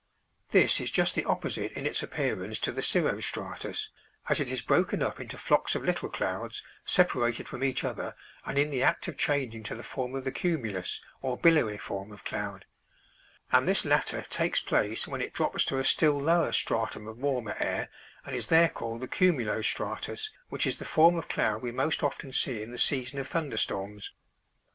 This is just the opposite in its appearance to the cirro stratus, as it is broken up into flocks of little clouds separated from each other and in the act of changing to the form of the cumulus, or billowy form of cloud; and this latter takes place when it drops to a still lower stratum of warmer air and is there called the cumulo stratus, which is the form of cloud we most often see in the season of thunderstorms.